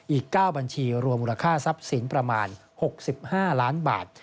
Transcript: อีก๙บัญชีรวมมูลค่าทรัพย์สินประมาณ๖๕ล้านบาท